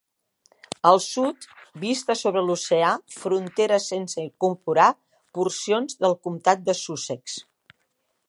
Al sud, vista sobre l'oceà fronteres sense incorporar porcions del Comtat de Sussex.